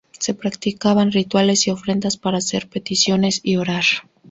Se practicaban rituales y ofrendas para hacer peticiones y orar.